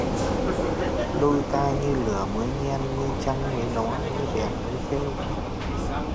Đôi ta như lửa mới nhen, như trăng mới ló, như đèn mới khêu